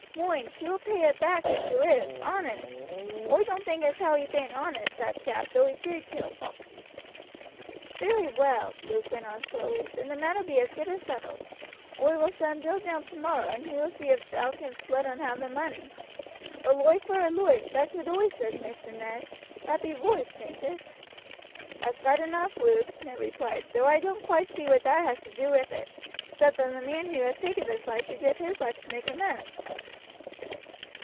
Moind, he will pay it hack if he lives, honest. Oi doan't think as how he bain't honest, that chap, though he did kill Foxey. Very well," Luke went on slowly, "then the matter be as good as settled. Oi will send Bill down tomorrow, and he will see if thou canst let un have the money. A loife vor a loife, that's what oi says, Maister Ned. That be roight, bain't it?" "That's right enough, Luke," Ned replied, "though I don't quite see what that has to do with it, except that the man who has taken this life should give his life to make amends."